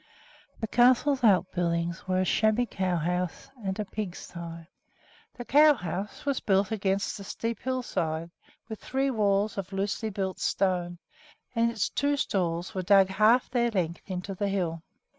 The castle's outbuildings were a shabby cow house and a pigsty. The cow house was built against the steep hillside, with three walls of loosely built stone, and its two stalls were dug half their length into the hill.